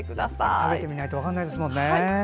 食べてみないと分からないですもんね。